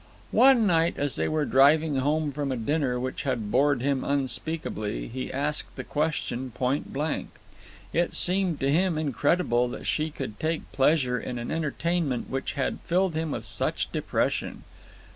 One night, as they were driving home from a dinner which had bored him unspeakably, he asked the question point blank. It seemed to him incredible that she could take pleasure in an entertainment which had filled him with such depression.